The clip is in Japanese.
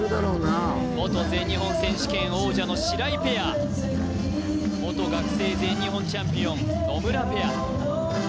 元全日本選手権王者の白井ペア元学生全日本チャンピオン野村ペア